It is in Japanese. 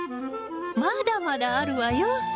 まだまだあるわよ！